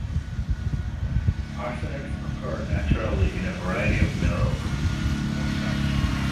Arsenates occur naturally in a variety of minerals.